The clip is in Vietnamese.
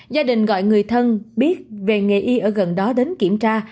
gia đình gọi người thân biết về nghề y ở gần đó đến kiểm tra